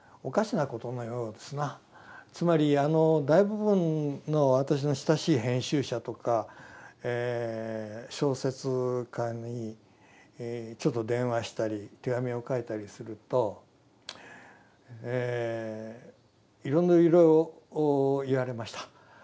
つまり大部分の私の親しい編集者とか小説家にちょっと電話したり手紙を書いたりするといろいろ言われました。